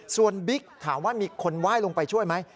ส่วนบิ๊กถามว่ามีคนไหว้ลงไปช่วยไหม